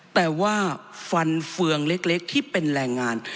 แต่ว่าฟันเฟืองเล็กที่เป็นแรงงาน